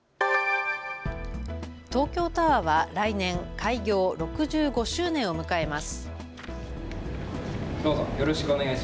東京タワーは来年開業６５周年を迎えます。